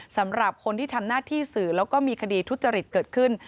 สำหรับคนที่ทำหน้าที่สื่อแล้วก็มีคดีทุจริตเกิดขึ้น